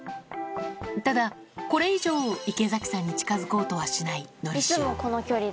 ただ、これ以上、池崎さんに近づこうとはしないのりしお。